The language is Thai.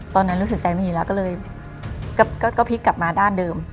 ตอนนั้นรู้สึกใจไม่ดีแล้วก็เลยก็พลิกกลับมาด้านเดิม